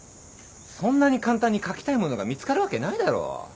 そんなに簡単に書きたいものが見つかるわけないだろ。